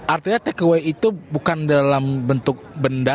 artinya takeaway itu bukan dalam bentuk benda